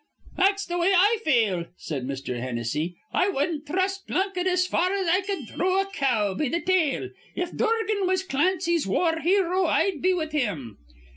"That's the way I feel," said Mr. Hennessy. "I wudden't thrust Plunkett as far as I cud throw a cow be th' tail. If Dorgan was Clancy's war hero, I'd be with him."